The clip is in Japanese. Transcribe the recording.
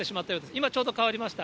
今ちょうど変わりました。